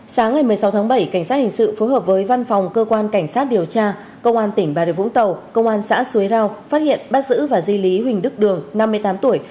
sáng ngày một mươi sáu tháng bảy cảnh sát hình sự phối hợp với văn phòng cơ quan cảnh sát điều tra công an tỉnh bà rịa vũng tàu công an xã xuế rau phát hiện bắt giữ và di lý huỳnh đức đường năm mươi tám tuổi